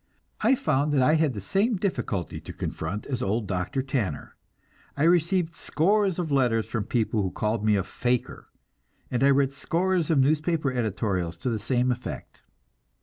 I found that I had the same difficulty to confront as old Dr. Tanner; I received scores of letters from people who called me a "faker," and I read scores of newspaper editorials to the same effect.